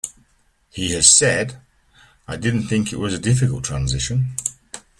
He has said:I didn't think it was a difficult transition.